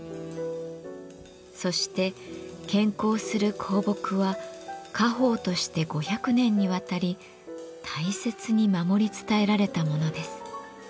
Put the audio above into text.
そして献香する香木は家宝として５００年にわたり大切に守り伝えられたものです。